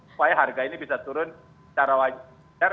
supaya harga ini bisa turun secara wajar